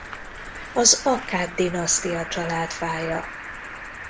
Az akkád dinasztia családfája